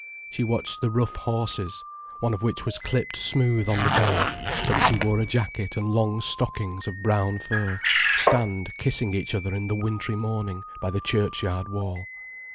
She watched the rough horses, one of which was clipped smooth on the belly, so that he wore a jacket and long stockings of brown fur, stand kissing each other in the wintry morning by the church yard wall.